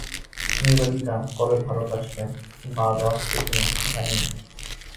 নিবেদিতা কবে ভারতে আসবে, কিম্বা আদৌ আসবে কিনা, জানি না।